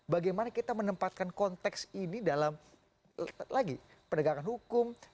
bagaimana kita menempatkan konteks ini dalam lagi penegakan hukum